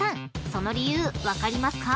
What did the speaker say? その理由分かりますか？］